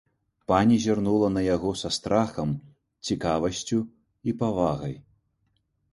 Пані зірнула на яго са страхам, цікавасцю і павагай.